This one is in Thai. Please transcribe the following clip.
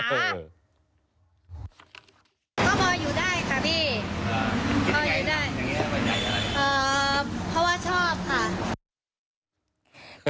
ก็เอาอยู่ได้ค่ะพี่เพราะว่าชอบค่ะ